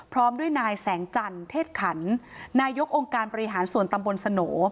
พร้อมด้วยนายแสงจันเทศขันนายกองค์การบริหารส่วนตำบลสโหน